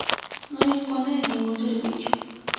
No dispone de ningún servicio.